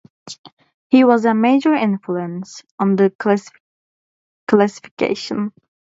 He was a major influence on the classification of finite simple groups.